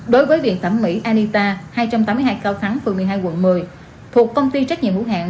đối với viện thẩm mỹ anita hai trăm tám mươi hai cao thắng phường một mươi hai quận một mươi thuộc công ty trách nhiệm hữu hạng